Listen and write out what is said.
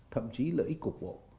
thậm chí lợi ích cục bộ